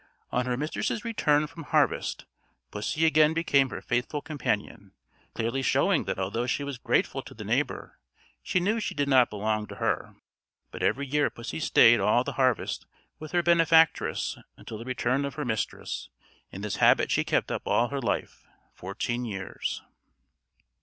On her mistress's return from harvest, pussy again became her faithful companion; clearly showing that although she was grateful to the neighbour, she knew she did not belong to her. But every year pussy stayed all the harvest with her benefactress until the return of her mistress; and this habit she kept up all her life, fourteen years.